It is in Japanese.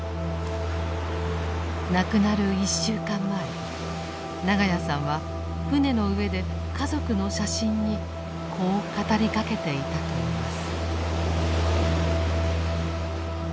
亡くなる１週間前長屋さんは船の上で家族の写真にこう語りかけていたといいます。